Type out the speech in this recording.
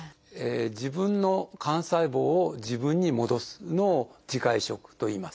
自分の幹細胞を自分に戻すのを「自家移植」といいます。